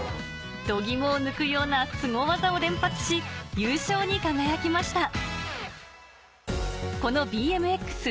度肝を抜くようなスゴ技を連発し優勝に輝きました